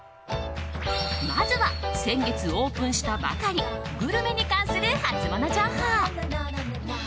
まずは先月オープンしたばかりグルメに関するハツモノ情報。